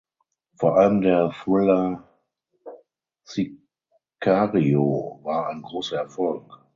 Vor allem der Thriller "Sicario" war ein großer Erfolg.